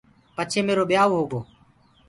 پڇي ميرو ٻيآوٚ هوگو۔